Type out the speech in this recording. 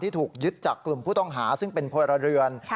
ถูกยึดจากกลุ่มผู้ต้องหาซึ่งเป็นพลเรือน